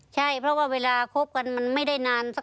ใช่เพราะว่าเวลาคบกันมันไม่ได้นาน